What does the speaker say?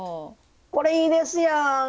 これいいですやん。